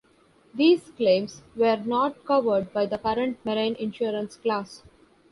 These claims were not covered by the current marine insurance class.